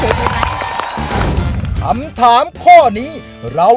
แล้ววันนี้ผมมีสิ่งหนึ่งนะครับเป็นตัวแทนกำลังใจจากผมเล็กน้อยครับ